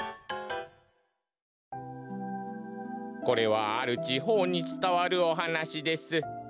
これはあるちほうにつたわるおはなしです。